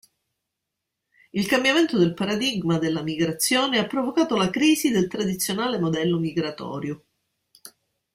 Il cambiamento del paradigma della migrazione ha provocato la crisi del tradizionale modello migratorio.